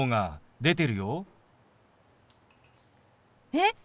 えっ！